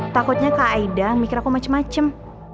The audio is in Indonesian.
takutnya kak aida mikir aku macem macem